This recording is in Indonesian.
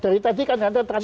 dari tadi kan anda